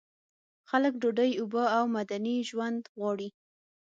خلک ډوډۍ، اوبه او مدني ژوند غواړي.